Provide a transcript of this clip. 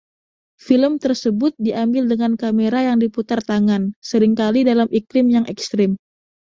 Film tersebut diambil dengan kamera yang diputar tangan, sering kali dalam iklim yang ekstrem.